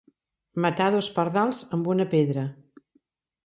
Matar dos pardals amb una pedra.